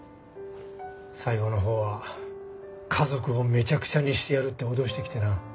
最後のほうは家族をめちゃくちゃにしてやるって脅してきてな。